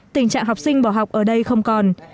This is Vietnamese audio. tình trạng học sinh bỏ học ở đây không còn